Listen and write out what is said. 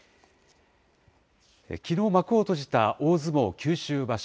きのう幕を閉じた大相撲九州場所。